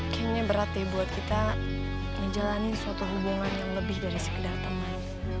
kayaknya berat ya buat kita menjalani suatu hubungan yang lebih dari sekedar teman